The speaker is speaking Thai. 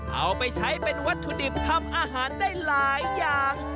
เอาไปใช้เป็นวัตถุดิบทำอาหารได้หลายอย่าง